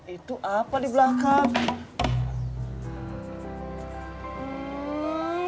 itu apa di belakang